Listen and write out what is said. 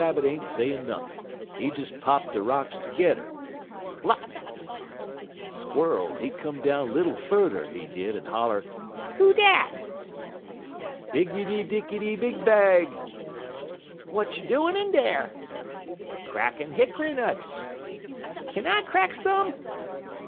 "Brer Rabbit ain't sayin' nothin'. He des pop de rocks tergedder blop! "Squer'l, he come down little furder, he did, en holler, 'Who dat?' "'Biggidy Dicky Big Bag!' "'What you doin' in dar?' "'Crackin' hick'y nuts.' "'Kin I crack some?'